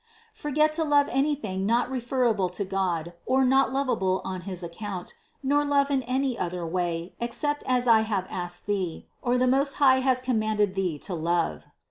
Forget to love anything not referable to God or not lovable on his account, nor love in any other way except as I have asked thee or the Most High has commanded thee to love.